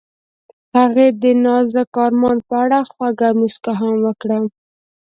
هغې د نازک آرمان په اړه خوږه موسکا هم وکړه.